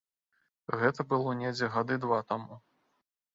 Гэта было недзе гады два таму.